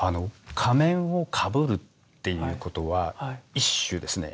仮面をかぶるっていうことは一種ですね